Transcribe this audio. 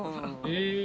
へえ。